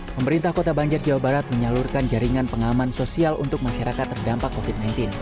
pemerintah kota banjar jawa barat menyalurkan jaringan pengaman sosial untuk masyarakat terdampak covid sembilan belas